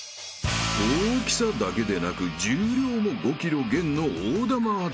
［大きさだけでなく重量も５ｋｇ減の大玉アタック］